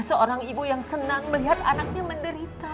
seorang ibu yang senang melihat anaknya menderita